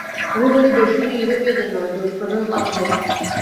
আমি বলি, দোষ শুধু ইউরোপীয়দের নয়, দোষ প্রধানত আমাদের।